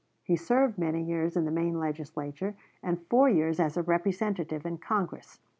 He served many years in the Maine Legislature and four years as a Representative in Congress.